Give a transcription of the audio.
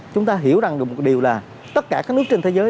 chúng ta hiểu rằng được một điều là tất cả các nước trên thế giới